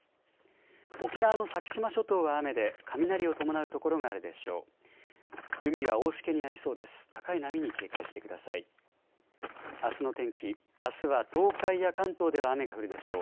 沖縄の先島諸島は雨で雷を伴う所があるでしょう。